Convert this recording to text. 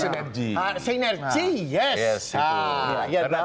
karena tidak boleh kita menarik apa ya